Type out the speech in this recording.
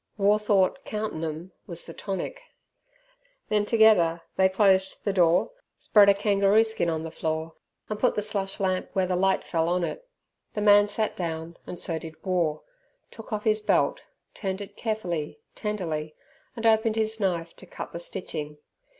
War thought "countin' 'em" was the tonic. Then together they closed the door, spread a kangaroo skin on the floor, and put the slush lamp where the light fell on it. The man sat down, so did War, took off his belt, turned it carefully, tenderly, and opened his knife to cut the stitching.